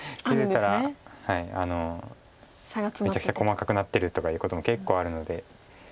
めちゃくちゃ細かくなってるとかいうことも結構あるので。